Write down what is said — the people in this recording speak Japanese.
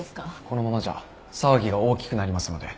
このままじゃ騒ぎが大きくなりますので。